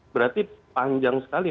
berarti panjang sekali